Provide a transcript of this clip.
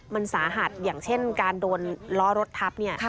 มันสาหัสอย่างเช่นการโดนล้อรถทับเนี่ย